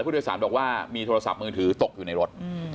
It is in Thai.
ผู้โดยสารบอกว่ามีโทรศัพท์มือถือตกอยู่ในรถ